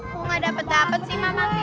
kok nggak dapet dapet sih mama kek